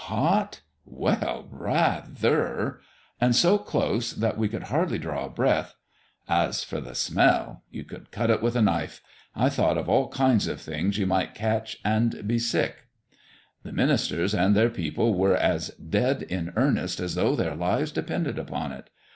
Hot? Well, rather! And so close that we could hardly draw a breath. As for the smell you could cut it with a knife I thought of all kinds of things you might catch and be sick. "The ministers and their people were as dead in earnest as though their lives depended upon it.